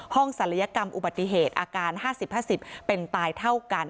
ศัลยกรรมอุบัติเหตุอาการ๕๐๕๐เป็นตายเท่ากัน